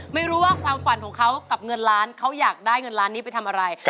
ไม่รู้ว่าความฝันของเขากับเงินล้านเขาอยากได้เงินล้านนี้ไปทำอะไร